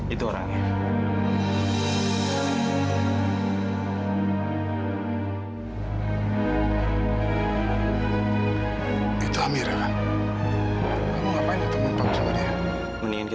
ini ini gak mimpi kan ki